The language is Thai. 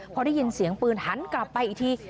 พอได้ยินเสียงปืนหันกลับไปอีกที